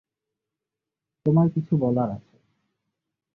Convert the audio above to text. তোমায় কিছু বলার আছে।